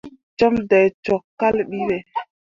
Cum dai cok kal bi be.